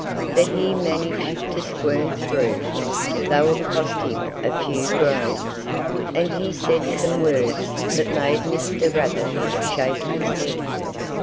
But he managed to squirm through, though it cost him a few groans; and he said some words that made Mr. Rabbit shake his head.